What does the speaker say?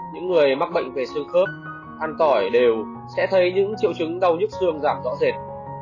những người mắc bệnh về sương khớp ăn tỏi đều sẽ thấy những triệu chứng đau nhất sương giảm rõ rệt